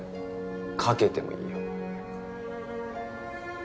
賭けてもいいよ。